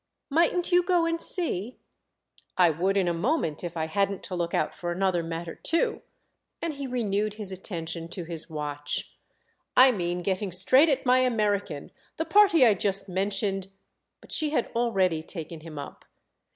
"Mightn't you go and see?" "I would in a moment if I hadn't to look out for another matter too." And he renewed his attention to his watch. "I mean getting straight at my American, the party I just mentioned———" But she had already taken him up.